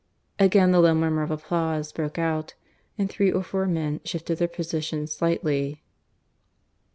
..." Again the low murmur of applause broke out, and three or four men shifted their positions slightly.